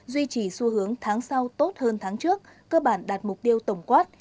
duy trì xu hướng tháng sau tốt hơn tháng trước cơ bản đạt mục tiêu tổng quát